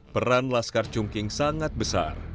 peran laskar chungking sangat besar